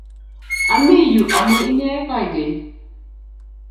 ami yu amun inye koi geny